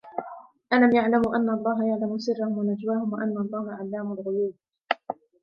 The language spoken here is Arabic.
ألم يعلموا أن الله يعلم سرهم ونجواهم وأن الله علام الغيوب